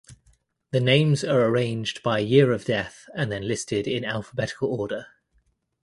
The names are arranged by year of death and then listed in alphabetical order.